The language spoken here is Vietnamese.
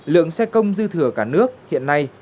lượng xe công dư thịnh tế của các bộ ngành địa phương